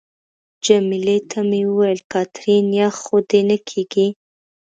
جميله ته مې وویل: کاترین، یخ خو دې نه کېږي؟